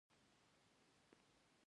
سړکونه ټول له رود سره اوږه پر اوږه تللي و.